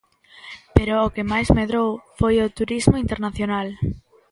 Pero o que máis medrou foi o turismo internacional.